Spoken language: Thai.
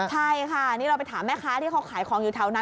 ใช่ค่ะนี่เราไปถามแม่ค้าที่เขาขายของอยู่แถวนั้น